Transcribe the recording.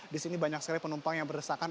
disini banyak sekali penumpang yang beresakan